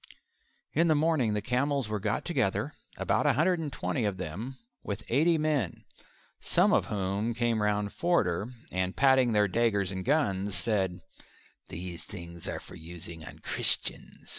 In the morning the camels were got together about a hundred and twenty of them with eighty men, some of whom came round Forder, and patting their daggers and guns said, "These things are for using on Christians.